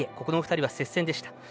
この２人は接戦。